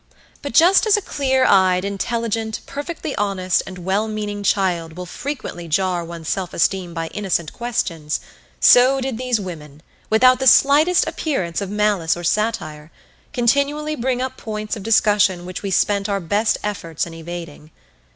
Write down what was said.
But just as a clear eyed, intelligent, perfectly honest, and well meaning child will frequently jar one's self esteem by innocent questions, so did these women, without the slightest appearance of malice or satire, continually bring up points of discussion which we spent our best efforts in evading.